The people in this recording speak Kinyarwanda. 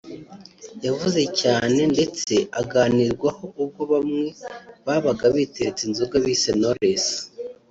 yavuze cyane ndetse aganirwaho ubwo bamwe babaga biteretse inzoga bise ’Knowless’